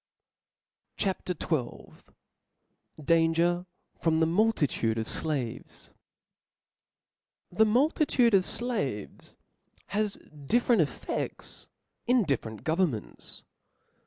CHAP. XII. Danger from the Multitude of Slaves. fTPHE multitude of flaves has different ef '*' fefts in different governments.